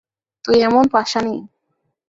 তুই এমন পাষাণী!